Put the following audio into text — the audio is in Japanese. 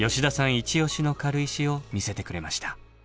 一押しの軽石を見せてくれました。